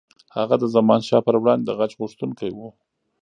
هغه د زمانشاه پر وړاندې د غچ غوښتونکی و.